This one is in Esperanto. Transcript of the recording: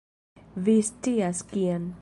Vi scias, kian.